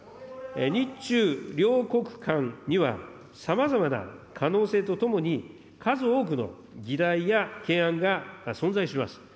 日中両国間には、さまざまな可能性とともに、数多くの議題や懸案が存在します。